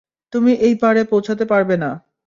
তুমি এই পারে পৌঁছতে পারবে না!